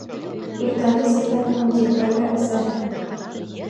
Иртәнге сәйҙән һуң Дилбәргә әсәһе: